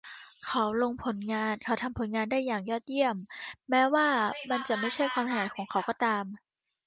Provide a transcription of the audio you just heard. เขาทำผลงานได้อย่างยอดเยี่ยมแม้ว่ามันจะไม่ใช่ความถนัดของเขาก็ตาม